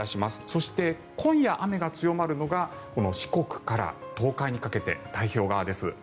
そして今夜、雨が強まるのが四国から東海にかけて太平洋側です。